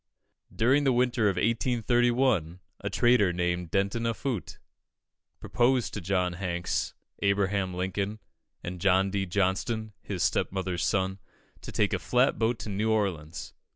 During the winter of 1831, a trader, named Denton Offutt, proposed to John Hanks, Abraham Lincoln, and John D. Johnston, his stepmother's son, to take a flat boat to New Orleans.